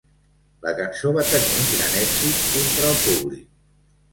La cançó va tenir un gran èxit entre el públic.